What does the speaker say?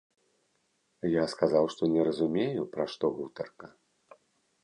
Я сказаў, што не разумею, пра што гутарка.